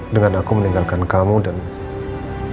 dengan aku meninggalkan kamu dan